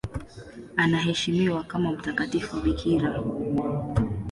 Anaheshimiwa kama mtakatifu bikira.